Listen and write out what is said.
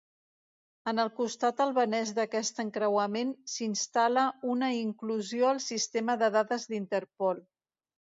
En el costat albanès d'aquest encreuament, s'instal·la una inclusió al sistema de dades d'Interpol.